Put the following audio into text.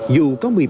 dù có một mươi ba